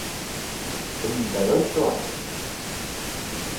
Trinta e oito anos.